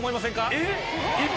えっ？